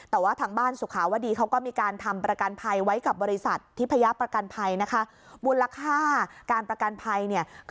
แต่ว่าทางบ้านสุขาวดีก็มีการทำประกันภัย